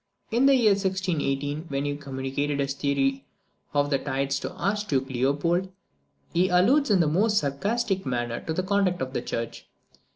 In the year 1618, when he communicated his theory of the tides to the Archduke Leopold, he alludes in the most sarcastic manner to the conduct of the church.